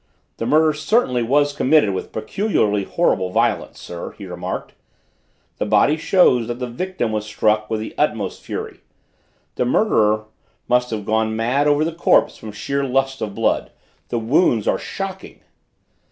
"The murder certainly was committed with peculiarly horrible violence, sir," he remarked. "The body shows that the victim was struck with the utmost fury. The murderer must have gone mad over the corpse from sheer lust of blood. The wounds are shocking."